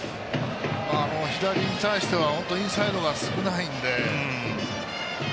左に対しては本当インサイドが少ないので。